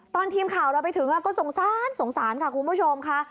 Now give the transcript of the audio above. ตอนทีมข่าวเราไปถึงก็สงสารสงสารค่ะคุณผู้ชมค่ะ